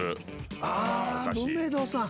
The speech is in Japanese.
あ文明堂さん。